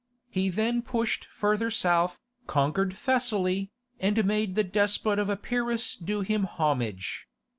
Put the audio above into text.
He then pushed further south, conquered Thessaly, and made the despot of Epirus do him homage.